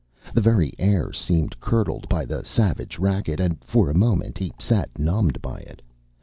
The very air seemed curdled by the savage racket and, for a moment, he sat numbed by it.